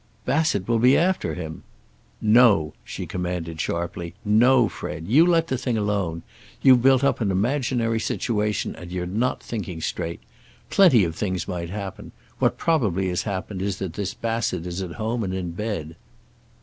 "Bassett will be after him." "No!" she commanded sharply. "No, Fred. You let the thing alone. You've built up an imaginary situation, and you're not thinking straight. Plenty of things might happen. What probably has happened is that this Bassett is at home and in bed."